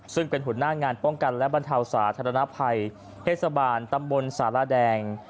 ซึ่งเป็นหัวหน้างานป้องกันและบรรเทาสาธารณภัยเทศบาลตำบลสารแดง